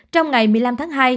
trong ngày một mươi năm tháng hai